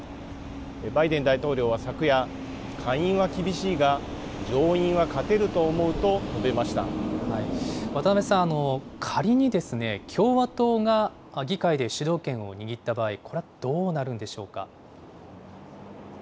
バイデン大統領は昨夜、下院は厳しいが、上院は勝てると思うと述渡辺さん、仮にですね、共和党が議会で主導権を握った場合、これはどうなるんでしょうか。